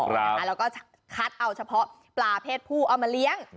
แล้วก็คัดเอาเฉพาะปลาเพศผู้เอามาเลี้ยง